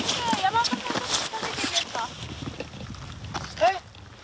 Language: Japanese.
えっ？